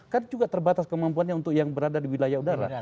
kan juga terbatas kemampuannya untuk yang berada di wilayah udara